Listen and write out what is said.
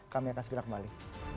kami akan segera kembali